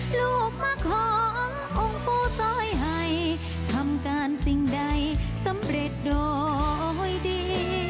ลูกมาขอองค์ปู่ซอยให้ทำการสิ่งใดสำเร็จโดยดี